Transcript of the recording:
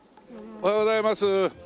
おはようございます。